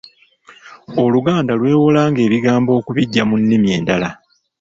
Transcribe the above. Oluganda lwewolanga ebigambo okubiggya mu nnimi endala.